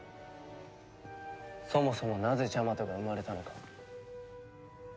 そもそもなぜジャマトが生まれたのか。